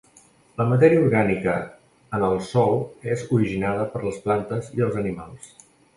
La matèria orgànica en el sòl és originada per les plantes i els animals.